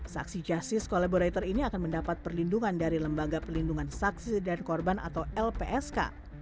saksi justice collaborator ini akan mendapat perlindungan dari lembaga pelindungan saksi dan korban atau lpsk